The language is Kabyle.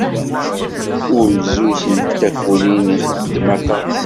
Ulzuz n tafulin ixeddem aṭas.